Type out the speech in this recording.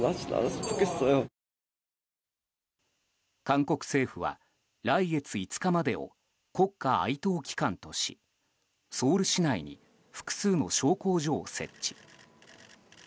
韓国政府は来月５日までを国家哀悼期間としソウル市内に複数の焼香所を設置。